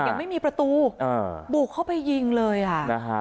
ยังไม่มีประตูอ่าบุกเข้าไปยิงเลยอ่ะนะฮะ